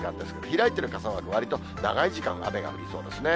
開いてる傘マーク、わりと長い時間雨が降りそうですね。